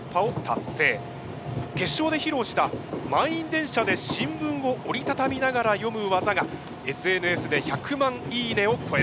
決勝で披露した満員電車で新聞を折り畳みながら読む技がＳＮＳで１００万いいねを超えました。